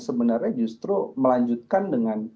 sebenarnya justru melanjutkan dengan